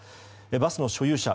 バスの所有者